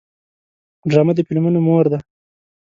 ډرامه د فلمونو مور ده